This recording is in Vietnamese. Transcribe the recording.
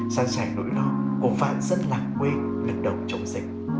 sang sẻ nỗi lo của vạn dân lạc quê lần đầu chống dịch